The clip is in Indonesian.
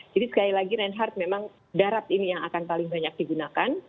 jadi sekali lagi reinhardt memang darat ini yang akan paling banyak digunakan